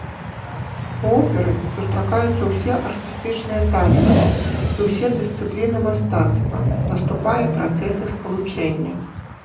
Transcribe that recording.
У оперы сустракаюцца ўсе артыстычныя таленты і ўсе дысцыпліны мастацтва, наступае працэс іх спалучэння.